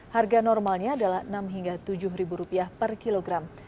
harga normalnya adalah rp enam hingga rp tujuh per kilogram